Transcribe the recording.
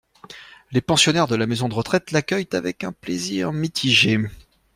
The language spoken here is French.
Les pensionnaires de la maison de retraite l’accueillent avec un plaisir mitigé.